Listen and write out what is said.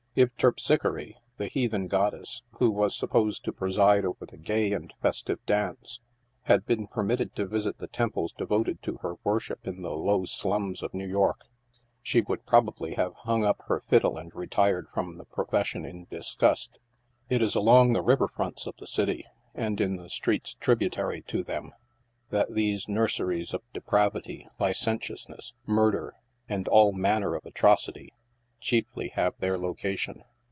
If Terpsichore, the heathen goddess who was supposed to pre side over the gay and festive dance, had been permitted to visit the temples devoted to her worship in the low slums of New York, she would probably have hung up her fiddle and retired from the profession in disgust. It is along the river fronts of the city, and in the streets tributary to them, that these nurseries of depravity, licentiousness, murder, and all manner of atrocity, chiefly have their location.